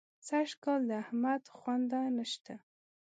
سږکال د احمد خونده نه شته.